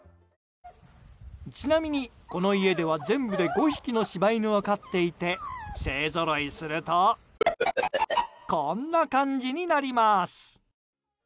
ちなみに、この家では全部で５匹の柴犬を飼っていて勢ぞろいするとこんな感じになります。